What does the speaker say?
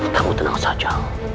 kamu tenang saja